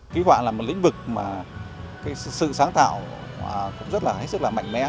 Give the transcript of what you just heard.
ký họa là một lĩnh vực mà sự sáng tạo cũng rất là mạnh mẽ